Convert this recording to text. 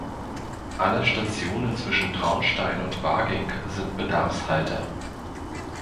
Alle Stationen zwischen Traunstein und Waging sind Bedarfshalte.